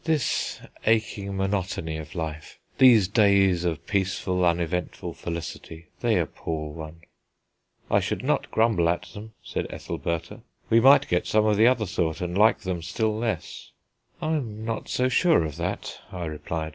"This aching monotony of life, these days of peaceful, uneventful felicity, they appall one." "I should not grumble at them," said Ethelbertha; "we might get some of the other sort, and like them still less." "I'm not so sure of that," I replied.